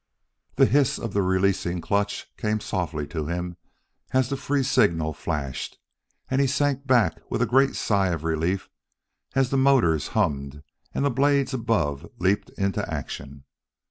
The hiss of the releasing clutch came softly to him as the free signal flashed, and he sank back with a great sigh of relief as the motors hummed and the blades above leaped into action.